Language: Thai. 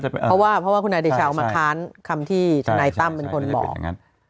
เพราะว่าคุณอาจารย์ชาวมาค้านคำที่ทนายตั้มเป็นคนบอก